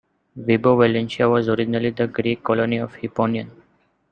Vibo Valentia was originally the Greek colony of Hipponion.